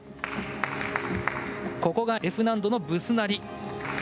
ここがＦ難度のブスナリ。